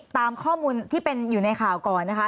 ตามข้อมูลที่เป็นอยู่ในข่าวก่อนนะคะ